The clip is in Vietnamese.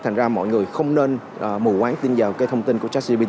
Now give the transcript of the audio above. thành ra mọi người không nên mù quán tin vào cái thông tin của chatgpt